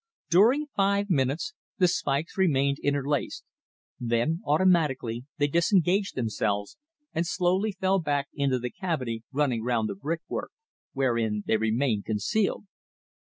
During five minutes the spikes remained interlaced, then automatically they disengaged themselves, and slowly fell back into the cavity running round the brickwork, wherein they remained concealed.